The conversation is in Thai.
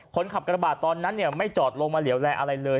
คนขับกระบาดตอนนั้นไม่จอดลงมาเหลวแลอะไรเลย